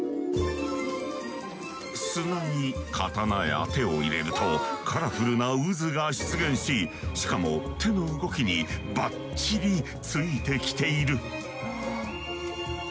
砂に刀や手を入れるとカラフルな渦が出現ししかも手の動きにばっちりついてきている。